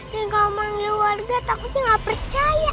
nanti kalo manggil warga takutnya gak percaya